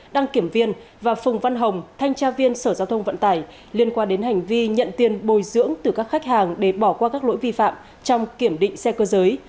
đăng kiểm viên và phùng văn hồng thanh tra viên sở giao thông vận tải liên quan đến hành vi nhận tiền bồi dưỡng từ các khách hàng để bỏ qua các lỗi vi phạm trong kiểm định xe cơ giới